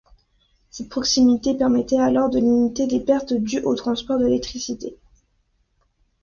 Cette proximité permettait alors de limiter les pertes dues au transport de l'électricité.